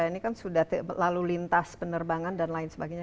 ini kan sudah lalu lintas penerbangan dan lain sebagainya